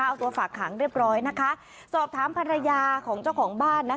เอาตัวฝากขังเรียบร้อยนะคะสอบถามภรรยาของเจ้าของบ้านนะคะ